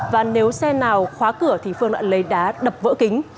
và nếu xe nào khóa cửa thì phương đoạn lấy đá đập vỡ kính